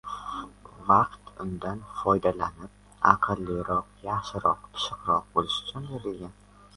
Vaqt undan foydalanib aqlliroq, yaxshiroq, pishiqroq bo'lish uchun berilgan.